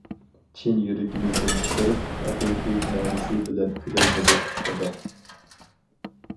چىن يۈرىكىمىزدىن چىقىرىپ، ھەقىقىي مەنىسى بىلەن كۈلەلمىدۇق، دادا.